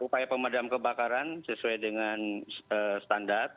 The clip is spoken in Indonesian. upaya pemadam kebakaran sesuai dengan standar